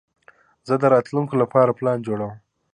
زه د راتلونکي لپاره پلان جوړوم.